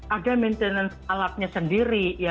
ada maintenance alatnya sendiri